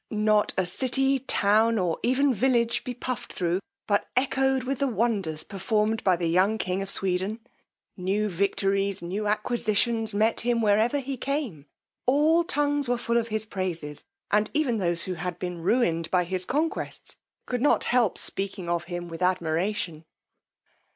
Not a city, town, or even village he puffed thro', but echoed with the wonders performed by the young king of Sweden: new victories, new acquisitions met him wherever he came: all tongues were full of his praises; and even those who had been ruined by his conquests, could not help speaking of him with admiration.